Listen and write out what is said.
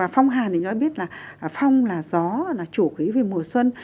phong hàn chúng ta biết phong là gió chủ khí mùa xuân